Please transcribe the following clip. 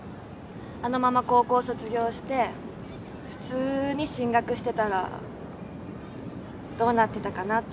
あのまま高校卒業して普通に進学してたらどうなってたかなって。